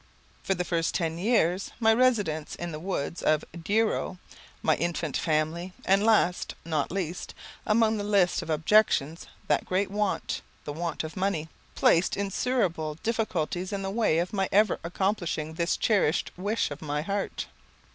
For the first ten years, my residence in the woods of Douro, my infant family, and last, not least, among the list of objections, that great want, the want of money, placed insuperable difficulties in the way of my ever accomplishing this cherished wish of my heart.